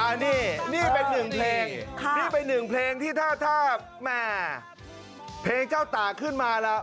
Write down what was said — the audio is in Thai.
อันนี้นี่เป็นหนึ่งเพลงนี่เป็นหนึ่งเพลงที่ถ้าแม่เพลงเจ้าตาขึ้นมาแล้ว